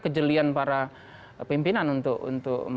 kejelian para pimpinan untuk